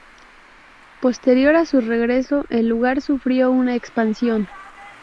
Posterior a su regreso el lugar sufrió una expansión.